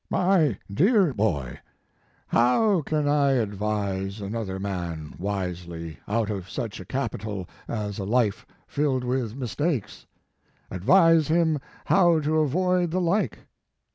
"MY DEAR BOY: How can I advise another man wisely, out of such a capital as a life filled with mistakes? Advise him how to avoid the like?